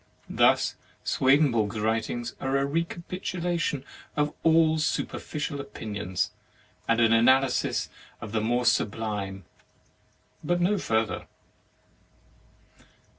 "Thus Swedenborg's writings are a recapitulation of all superficial 38 HEAVEN AND HELL opinions, and an analysis of the more sublime, but no further.